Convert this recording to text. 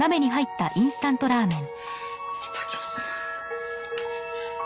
いただきます。